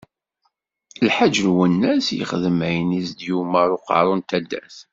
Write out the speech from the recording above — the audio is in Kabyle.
Lḥaǧ Lwennas yexdem ayen i s-d-yumeṛ Uqeṛṛu n taddart.